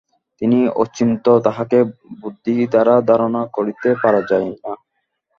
তিনি অচিন্ত্য, তাঁহাকে বুদ্ধি দ্বারা ধারণা করিতে পারা যায় না।